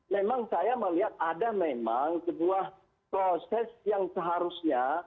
memang saya melihat ada memang sebuah proses yang seharusnya